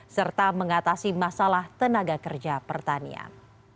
serta mengatasi masalah tenaga kerja pertanian